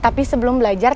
tapi sebelum belajar